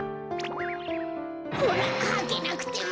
ほらはけなくても。